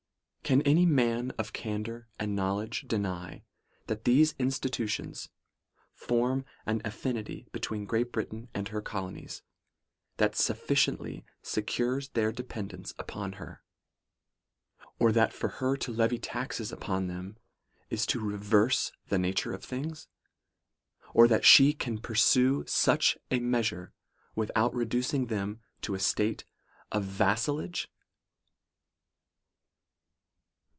' Can any man of candour and knowledge deny that these institutions form an affinity between Great Britain and her colonies, that sufficiently se cures their dependence upon her ? Or that for her to levy taxes upon them is to reverse the nature of things ? Or that she can pursue such a meas ure without reducing them to a state of vassal age